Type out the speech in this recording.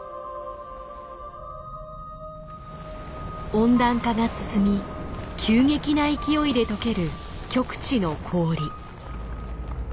温暖化が進み急激な勢いでとける極地の氷。